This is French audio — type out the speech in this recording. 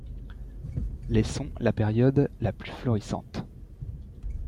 Les sont la période la plus florissante.